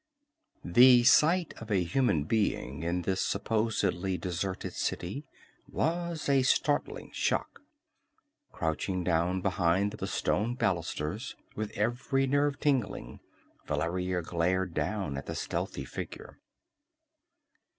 _ The sight of a human being in this supposedly deserted city was a startling shock. Crouching down behind the stone balusters, with every nerve tingling, Valeria glared down at the stealthy figure.